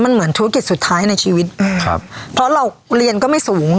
มันเหมือนธุรกิจสุดท้ายในชีวิตอืมครับเพราะเราเรียนก็ไม่สูง